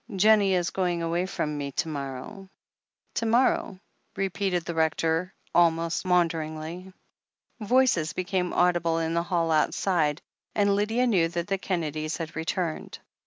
Jennie is going away from me to morrow." "To morrow," repeated the Rector almost matmder ingly. Voices became audible in the hall outside, and Lydia knew that the Kennedys had returned.